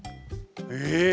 え！